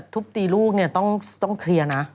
ทุบตีลูกเนี่ยต้องเคลียร์นะ